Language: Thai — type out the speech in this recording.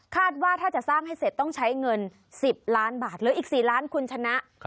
ว่าถ้าจะสร้างให้เสร็จต้องใช้เงิน๑๐ล้านบาทเหลืออีก๔ล้านคุณชนะ